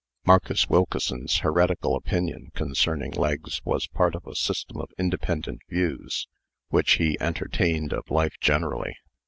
Marcus Wilkeson's heretical opinion concerning legs was part of a system of independent views which he entertained of life generally.